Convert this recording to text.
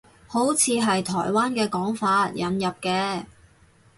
好似係台灣嘅講法，引入嘅